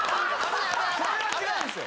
それは違うんですよ